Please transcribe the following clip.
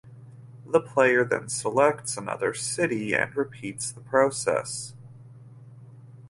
The player then selects another city and repeats the process.